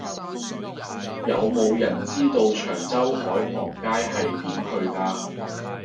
有無人知道長洲海傍街係點去㗎